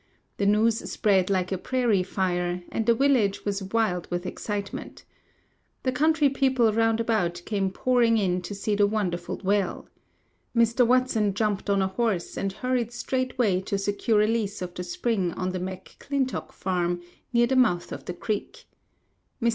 The news spread like a prairie fire, and the village was wild with excitement. The country people round about came pouring in to see the wonderful well. Mr. Watson jumped on a horse and hurried straightway to secure a lease of the spring on the McClintock farm, near the mouth of the creek. Mr.